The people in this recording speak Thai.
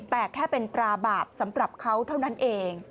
แต่แค่เป็นตราบาปสำหรับเขาเท่านั้นเอง